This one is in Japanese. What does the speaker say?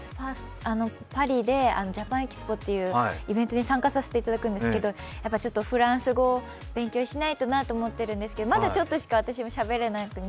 パリでＪａｐａｎＥｘｐｏというイベントに参加させてもらうんですけどフランス語勉強しないとなと思ってるんですけどまだちょっとしか私もしゃべれなくて。